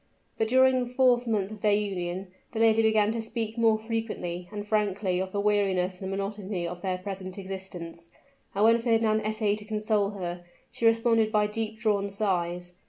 But during the fourth month of their union, the lady began to speak more frequently and frankly of the weariness and monotony of their present existence; and when Fernand essayed to console her, she responded by deep drawn sighs.